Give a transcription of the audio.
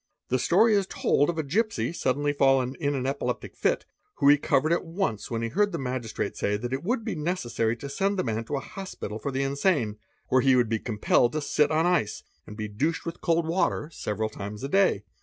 The story is told of a gipsy, suddenly fallen an epileptic fit, who recovered at once when he heard the magistrate a, x ay that it would be necessary to send the man to an hospital for the nsane, where he would be compelled to sit on ice and be douched with jd water several hours a day.